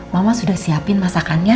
mama sudah siapin masakannya